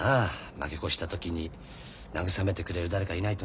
負け越した時に慰めてくれる誰かいないとね。